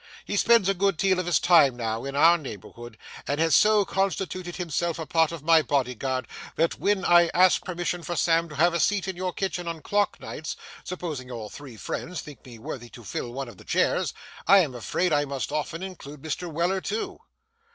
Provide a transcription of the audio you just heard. He spends a good deal of his time now in our neighbourhood, and has so constituted himself a part of my bodyguard, that when I ask permission for Sam to have a seat in your kitchen on clock nights (supposing your three friends think me worthy to fill one of the chairs), I am afraid I must often include Mr. Weller too.